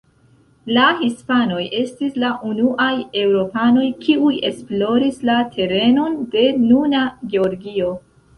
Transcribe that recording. La hispanoj estis la unuaj eŭropanoj, kiuj esploris la terenon de nuna Georgio.